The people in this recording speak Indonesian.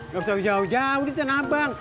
gak usah jauh jauh di tanah abang